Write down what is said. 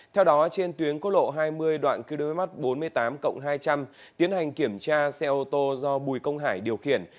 theo đó trên tuyến cốt lộ hai mươi đoạn qdm bốn mươi tám hai trăm linh tiến hành kiểm tra xe ô tô do bùi công hải điều khiển